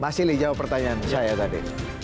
mas silih jawab pertanyaan saya tadi